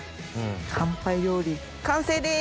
乾杯料理完成です！